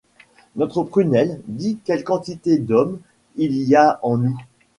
Notre prunelle dit quelle quantité d’homme il y a en nous.